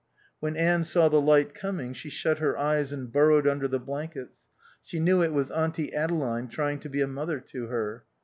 When Anne saw the light coming she shut her eyes and burrowed under the blankets, she knew it was Auntie Adeline trying to be a mother to her.